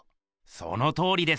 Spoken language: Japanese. そのとおりです。